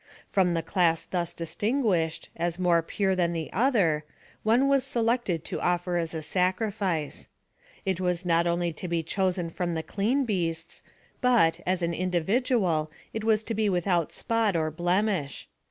From the class thus distinguished, as more pure than the other, one was selected to offer as a sacrifice. It was not only to be chosen from the clean beasts, but, as an individual, it was to be without spot or blemish.